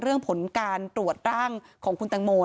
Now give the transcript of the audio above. ผลการตรวจร่างของคุณตังโม